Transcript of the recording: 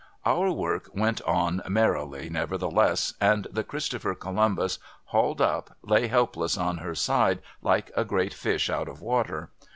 Our work went on merrily, nevertheless, and the Christopher Columbus, hauled up, lay helpless on her side like a great fish out of water.